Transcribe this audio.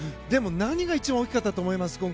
でも、何が一番大きかったと思います？